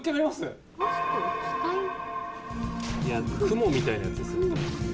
いや雲みたいなやつですよ。